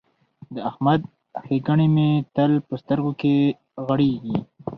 د احمد ښېګڼې مې تل په سترګو کې غړېږي.